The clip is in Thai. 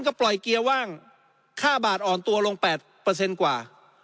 ก็ปล่อยเกียร์ว่างค่าบาทอ่อนตัวลงแปดเปอร์เซ็นต์กว่า